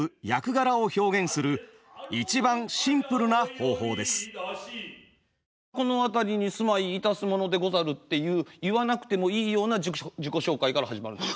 狂言では大抵舞台に登場するとまず「このあたりに住まいいたすものでござる」っていう言わなくてもいいような自己紹介から始まるんです。